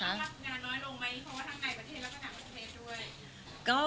อะไรนะคะ